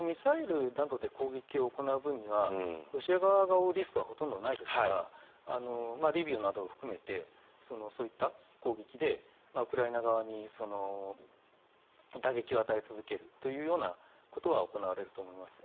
ミサイルなどで攻撃を行う分にはロシア側が負うリスクはほとんどないですからリビウなどを含めてそういった攻撃でウクライナ側に打撃を与え続けるということは行われると思います。